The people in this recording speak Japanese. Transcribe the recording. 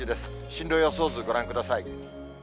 進路予想図、ご覧ください。